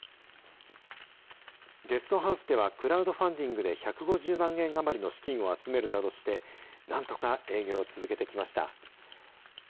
ゲストハウスでは、クラウドファンディングで１５０万円余りの資金を集めるなどして、なんとか営業を続けてきました。